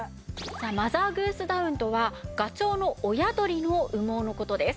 マザーグースダウンとはガチョウの親鳥の羽毛の事です。